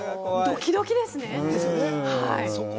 ドキドキですね。